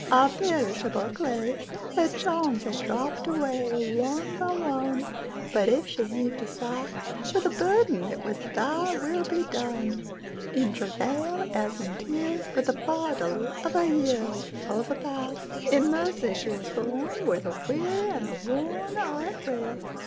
Ah, perishable clay! Her charms had dropp'd awayOne by one; But if she heav'd a sighWith a burden, it was, "ThyWill be done."In travail, as in tears, With the fardel of her yearsOverpast, In mercy she was borneWhere the weary and wornAre at rest.